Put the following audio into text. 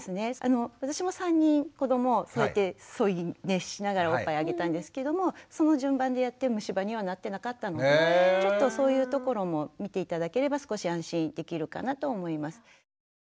私も３人子ども添い寝しながらおっぱいあげたんですけどもその順番でやって虫歯にはなってなかったのでちょっとそういうところも見て頂ければ少し安心できるかなと思います。